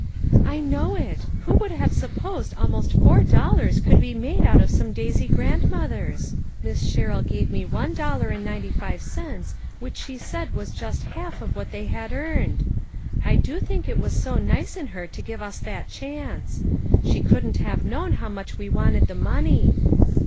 " I know it ; who would have supposed that almost four dollars could be made out of some daisy grandmothers ! Miss Sherrill gave me one dollar and ninety five cents which she said was just half of what they had earned. I do think it was so nice in her to give us that chance ! She couldn't have known how mue. we wanted the money.